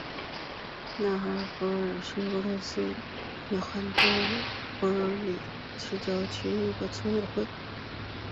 纳恰洛沃村委员会是俄罗斯联邦阿斯特拉罕州普里沃尔日耶区所属的一个村委员会。